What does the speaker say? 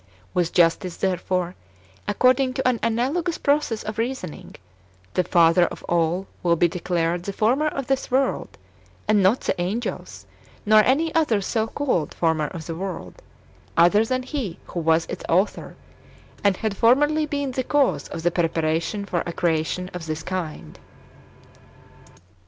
With justice, therefore, according to an analogous process of reasoning, the Father of all will be declared the Former of this world, and not the angels, nor any other [so called] former of the world, other than He who was its Author, and had formerly^ been the cause of the preparation for a creation of this kind.